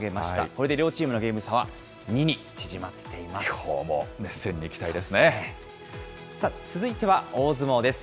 これで両チームのゲーム差は２に縮まっています。